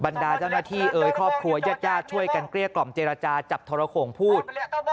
บรรดาเจ้าหน้าที่เอ๋ยครอบครัวยัดช่วยกันเกลียดกล่อมเจรจาจับทรโครงพูด